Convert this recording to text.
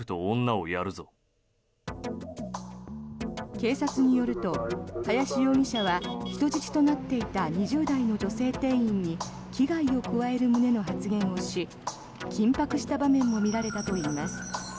警察によると林容疑者は人質となっていた２０代の女性店員に危害を加える旨の発言をし緊迫した場面も見られたといいます。